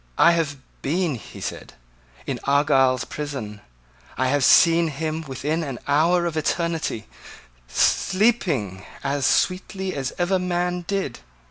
"I have been," he said, "in Argyle's prison. I have seen him within an hour of eternity, sleeping as sweetly as ever man did.